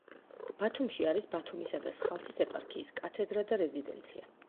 ბათუმში არის ბათუმისა და სხალთის ეპარქიის კათედრა და რეზიდენცია.